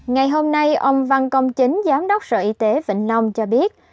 ngày hôm nay ông văn công chính giám đốc sở y tế vĩnh long cho biết